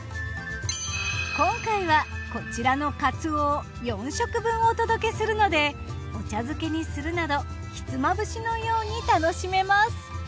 今回はこちらのカツオを４食分お届けするのでお茶漬けにするなどひつまぶしのように楽しめます。